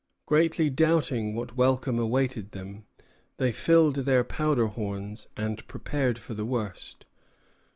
Greatly doubting what welcome awaited them, they filled their powder horns and prepared for the worst.